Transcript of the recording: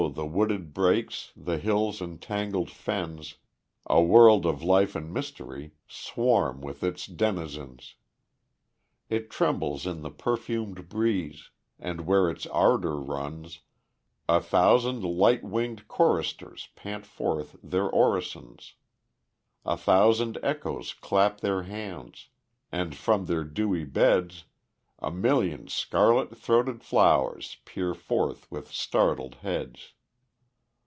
the wooded brakes, the hills and tangled fens A world of life and mystery swarm with its denizens. It trembles in the perfumed breeze, and where its ardor runs, A thousand light winged choristers pant forth their orisons; A thousand echoes clap their hands, and from their dewy beds, A million scarlet throated flowers peer forth with startled heads.